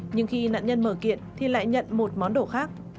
nhưng khi nạn nhân mở kiện thì lại nhận một món đồ khác